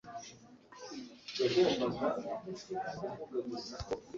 umutima wange wikoreye muri iyi minsi!